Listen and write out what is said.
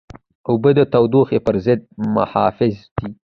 اوبه د تودوخې پر ضد محافظ دي.